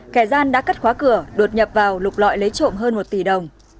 kẻ gian đã cất khóa cửa đột nhập vào lục loại lấy trộm hơn một tỷ đồng